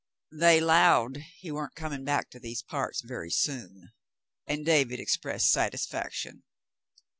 They " 'lowed he wa'n't comin' back to these parts very soon," and David expressed satisfaction.